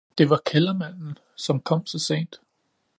Det var kældermanden, som kom så sent